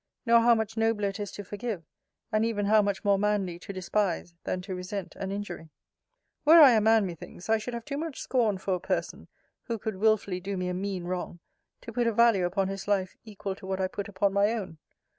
nor how much nobler it is to forgive, and even how much more manly to despise, than to resent, an injury? Were I a man, methinks, I should have too much scorn for a person, who could wilfully do me a mean wrong, to put a value upon his life, equal to what I put upon my own.